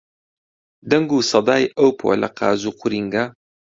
دەنگ و سەدای ئەو پۆلە قاز و قورینگە